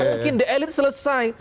mungkin di elit selesai